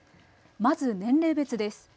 まず年齢別です。